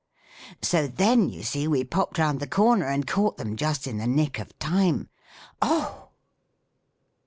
" So then, you see, we popped round the corner, and caught them just in the nick of time." "Oh!"